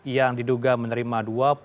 yang diduga menerima